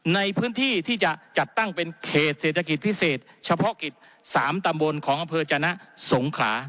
ในพื้นที่ที่จะจัดตั้งเป็นเขตเศรษฐกิจพิเศษเฉพาะกิจ๓ตำบลของอำเภอจนะสงขลา